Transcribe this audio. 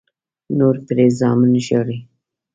نور پرې زامن ژاړي.